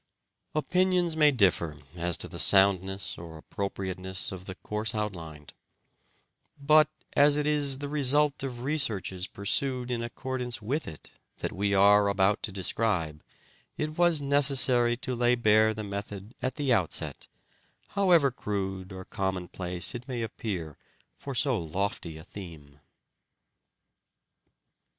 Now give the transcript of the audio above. Opinions may differ as to the soundness or appropriateness of the course outlined ; but, as it is the result of researches pursued in accordance with it that we are about to describe, it was necessary to lay bare the method at the outset, however crude or commonplace it may appear for so lofty a theme.